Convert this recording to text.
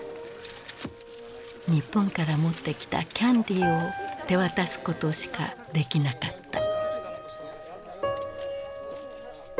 日本から持ってきたキャンディーを手渡すことしかできなかった。